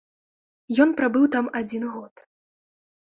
Ён прабыў там адзін год.